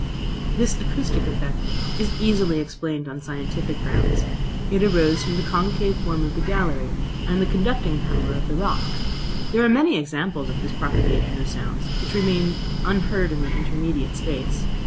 This acoustic effect is easily explained on scientific grounds. It arose from the concave form of the gallery and the conducting power of the rock. There are many examples of this propagation of sounds which remain unheard in the intermediate space.